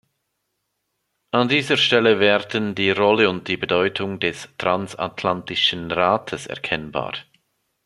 An dieser Stelle werden die Rolle und die Bedeutung des Transatlantischen Rates erkennbar.